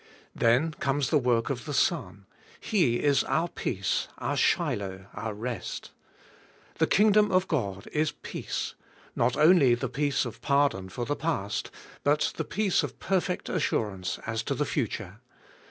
Then comes the work of the Son: He is our peace, our Shiloh, our rest. The King dom of God is peace; notonlj^the peace of pardon for the past, but the peace of perfect assurance as to the future.